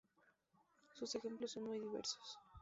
Sus ejemplos son muy diversos.